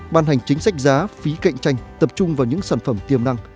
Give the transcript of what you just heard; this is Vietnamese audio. ban hành chính sách giá phí cạnh tranh tập trung vào những sản phẩm tiềm năng